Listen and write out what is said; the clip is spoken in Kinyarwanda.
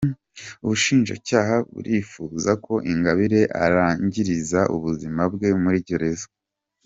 Ubushinjacyaha burifuza ko Ingabire arangiriza ubuzima bwe muri Gereza